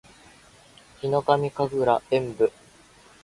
ヒノカミ神楽炎舞（ひのかみかぐらえんぶ）